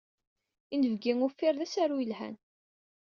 Inebgi Uffir d asaru yelhan.